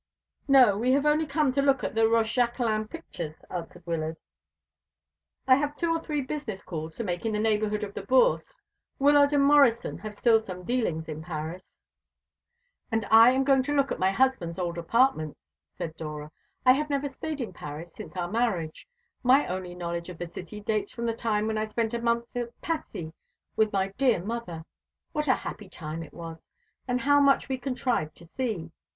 "No, we have only come to look at the Rochejaquelin pictures," answered Wyllard. "I have two or three business calls to make in the neighbourhood of the Bourse. Wyllard & Morrison have still some dealings in Paris." "And I am going to look at my husband's old apartments," said Dora. "I have never stayed in Paris since our marriage. My only knowledge of the city dates from the time when I spent a month at Passy with my dear mother. What a happy time it was, and how much we contrived to see!